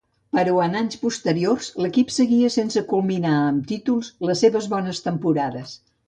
Però en anys posteriors l'equip seguia sense culminar amb títols les seves bones temporades.